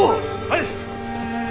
はい！